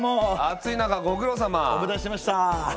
暑い中ご苦労さま。お待たせしました。